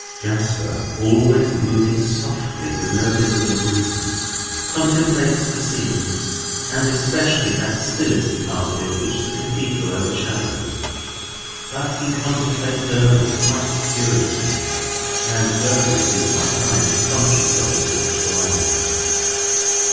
Jasper (always moving softly with no visible reason) contemplates the scene, and especially that stillest part of it which the Cathedral overshadows. But he contemplates Durdles quite as curiously, and Durdles is by times conscious of his watchful eyes.